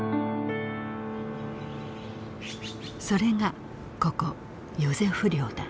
それがここヨゼフ寮だ。